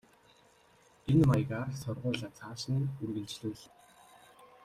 Энэ маягаар сургуулиа цааш нь үргэлжлүүллээ.